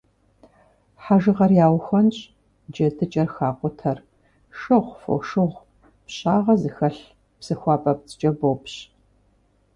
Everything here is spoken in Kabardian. Хьэжыгъэр яухуэнщӏ, джэдыкӏэр хакъутэр шыгъу, фошыгъу, пщагъэ зыхэлъ псы хуабэпцӏкӏэ бопщ.